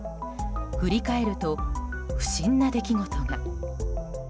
振り返ると不審な出来事が。